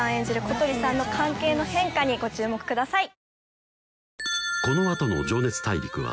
小鳥さんの関係の変化にご注目ください。